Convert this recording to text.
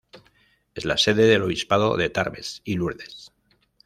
Es la sede del obispado de Tarbes y Lourdes.